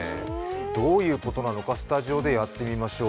どういうことなのかスタジオでやってみましょう。